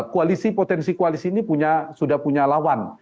koalisi potensi koalisi ini sudah punya lawan